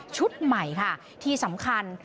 ใหม่ค่ะที่สำคัญ